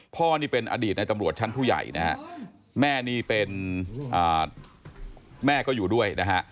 พ่อนี่เป็นอดีตในตำรวจชั้นผู้ใหญ่นะฮะแม่นี่เป็นแม่ก็อยู่ด้วยนะฮะ